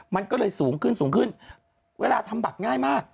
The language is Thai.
มันก็เลยสูงขึ้นสูงขึ้นเวลาทำบัตรง่ายมาก